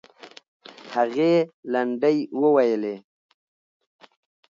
هغې لنډۍ وویلې.